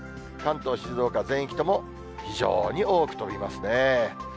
関東、静岡全域とも、非常に多く飛びますね。